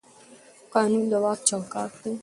قانون د واک چوکاټ دی